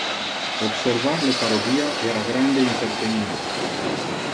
Observar le parodia era grande intertenimento.